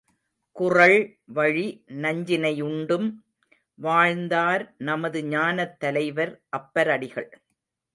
குறள்வழி, நஞ்சினையுண்டும் வாழ்ந்தார் நமது ஞானத் தலைவர் அப்பரடிகள்.